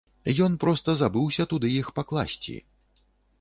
Ён проста забыўся туды іх пакласці!